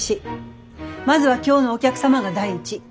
まずは今日のお客様が第一。